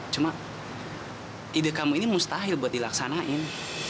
cuma ide kamu ini mustahil buat dilaksanakan